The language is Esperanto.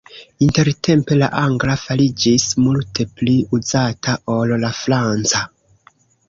Intertempe la angla fariĝis multe pli uzata ol la franca.